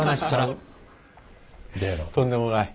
とんでもない。